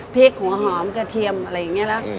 พริกหัวหอมกระเทียมอะไรอย่างนี้แล้ว